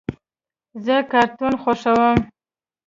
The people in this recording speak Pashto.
زه کارټون خوښوم.